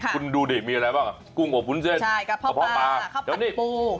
คุณดูดิมีอะไรบ้างกับกุ้งอบฟุ้นเส้นกะพ่อปลาเขาผัดปู